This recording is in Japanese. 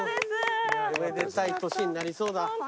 おめでたい年になりそうだ。